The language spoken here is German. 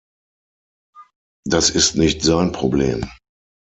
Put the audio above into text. Das ist nicht sein Problem.